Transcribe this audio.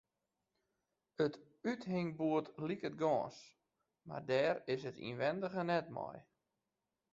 It úthingboerd liket gâns, mar dêr is 't ynwindige net nei.